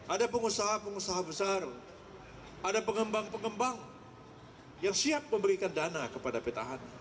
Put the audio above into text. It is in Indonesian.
ada pengusaha pengusaha besar ada pengembang pengembang yang siap memberikan dana kepada petahana